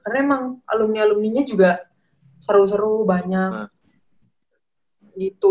karena emang alumni alumni nya juga seru seru banyak gitu